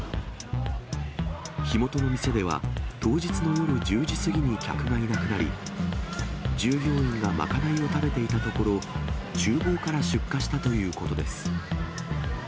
火元の店では、当日の夜１０時過ぎに客がいなくなり、従業員が賄いを食べていたところ、ちゅう房から出火したということです。